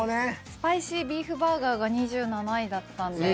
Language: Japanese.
スパイシービーフバーガーが２７位だったんで。